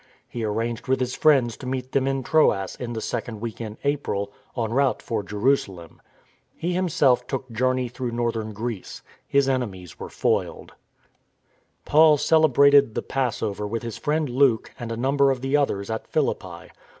He arranged with his friends to meet them in Troas in the second week in April, en route for Jerusalem. He himself took journey through northern Greece. His enemies were foiled. Paul celebrated the Passover with his friend Luke and a number of the others at Philippi.